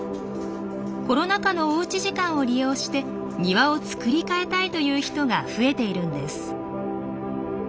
コロナ禍のおうち時間を利用して庭をつくり替えたいという人が増えているんです。